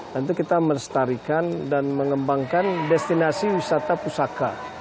tentu kita melestarikan dan mengembangkan destinasi wisata pusaka